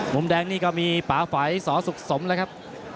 มุมแดงนี่ก็มีปาไฝสอสุกสมนะครับ